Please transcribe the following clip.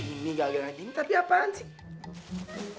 ini gak ada gak ada ini tapi apaan sih